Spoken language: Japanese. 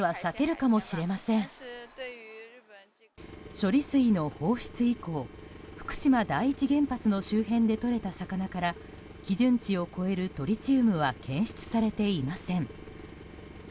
処理水の放出以降福島第一原発の周辺でとれた魚から基準値を超えるトリチウムは検出されていません。